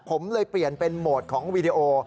ผมเลยเปลี่ยนเป็นโหมดของวีดีโอ